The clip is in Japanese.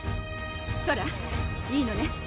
ソラいいのね？